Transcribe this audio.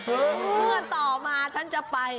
เมื่อต่อมาฉันจะไป